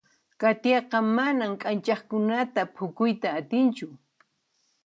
Katiaqa manan k'anchaqkunata phukuyta atinchu.